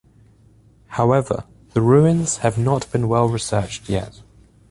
However, the ruins have not been well researched yet.